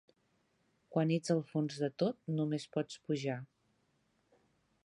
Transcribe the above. Quan ets al fons de tot, només pots pujar.